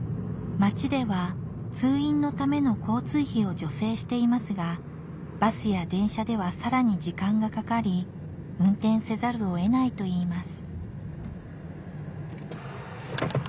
町では通院のための交通費を助成していますがバスや電車ではさらに時間がかかり運転せざるを得ないといいます